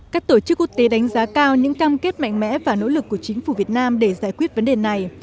các tổ chức quốc tế đánh giá cao những cam kết mạnh mẽ và nỗ lực của chính phủ việt nam để giải quyết vấn đề này